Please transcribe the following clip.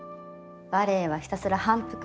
バレエはひたすら反復。